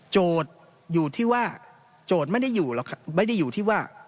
โจทย์อยู่ที่ว่าโจทย์ไม่ได้อยู่ที่ว่า